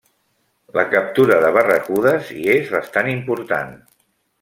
La captura de barracudes hi és bastant important.